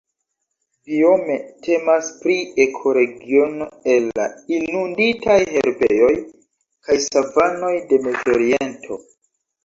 Biome temas pri ekoregiono el la inunditaj herbejoj kaj savanoj de Mezoriento.